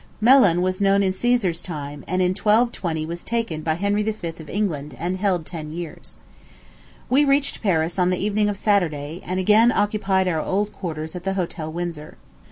Melun was known in Cæsar's time, and in 1520 was taken by Henry V., of England, and held ten years. We reached Paris on the evening of Saturday, and again occupied our old quarters at the Hotel Windsor.